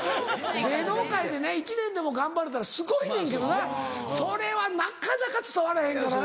芸能界でね１年でも頑張れたらすごいねんけどなそれはなかなか伝わらへんからな。